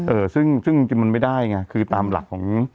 เออซึ่งจริงมันไม่ได้ไงคือตามหลักของ